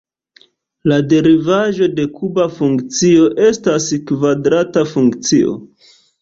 La derivaĵo de kuba funkcio estas kvadrata funkcio.